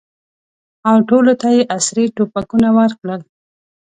او ټولو ته یې عصري توپکونه ورکړل.